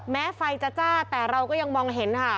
แม้ไฟจะจ้าแต่เราก็ยังมองเห็นค่ะ